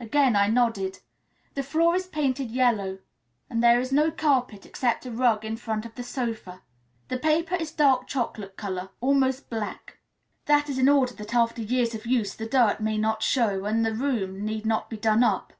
Again I nodded. "The floor is painted yellow, and there is no carpet except a rug in front of the sofa. The paper is dark chocolate colour, almost black; that is in order that after years of use the dirt may not show, and the room need not be done up.